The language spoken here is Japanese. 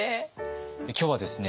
今日はですね